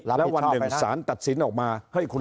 แล้ววันหนึ่งสารตัดสินออกมา